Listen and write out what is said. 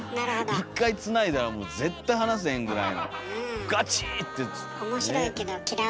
一回つないだらもう絶対離せへんぐらいのガチッて。